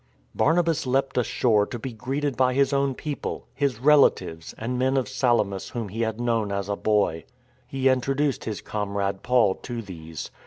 Barnabas leapt ashore to be greeted by his own people — his relatives, and men of Salamis whom he had known as a boy. He introduced his comrade Paul to these.